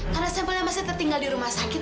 karena sampelnya masih tertinggal di rumah sakit